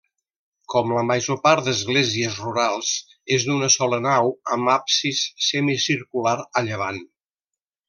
Com la major part d'esglésies rurals, és d'una sola nau, amb absis semicircular a llevant.